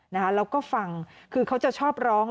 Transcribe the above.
แล้วก็ฟังคือเขาจะชอบร้อง